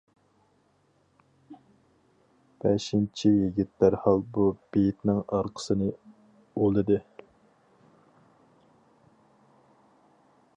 بەشىنچى يىگىت دەرھال بۇ بېيىتنىڭ ئارقىسىنى ئۇلىدى.